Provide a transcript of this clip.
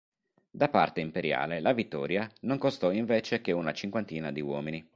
Da parte imperiale la vittoria, non costò invece che una cinquantina di uomini.